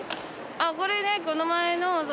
あっこれね。